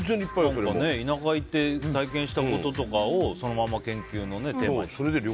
田舎に行って体験したこととかをそのまま研究のテーマに。